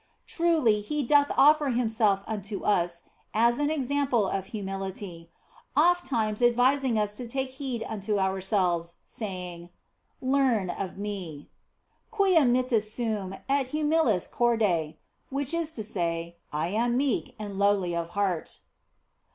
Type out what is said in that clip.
Truly, He doth offer Himself unto us as an example of humility, ofttimes advising us to take heed unto ourselves, saying, " Learn of Me " (Quia mitis sum et bumilis corde, which is to say, " I am meek and lowly of heart